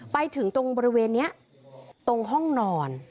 ไปถึงตรงบริเวณนี้ตรงห้องนอน